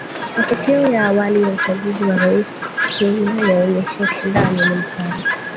Matokeo ya awali ya uchaguzi wa rais Kenya yaonyesha ushindani ni mkali